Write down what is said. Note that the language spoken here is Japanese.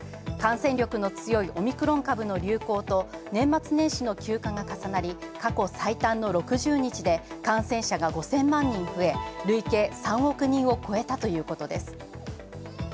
感染力の強いオミクロン株の流行と年末年始の休暇が重なり、過去最短の６０日で感染者が５０００万人増え、累計３億人を超えたということです。